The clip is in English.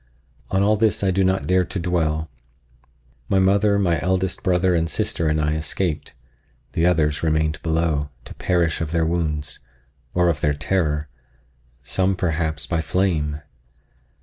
—on all this I do not dare to dwell. My mother, my eldest brother and sister and I escaped; the others remained below, to perish of their wounds, or of their terror—some, perhaps, by flame.